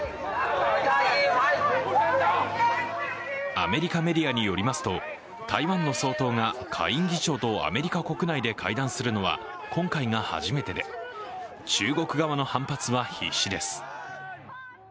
アメリカメディアによりますと、台湾の総統が下院議長とアメリカ国内で会談するのは今回が初めてで、中国側の反発は必至です。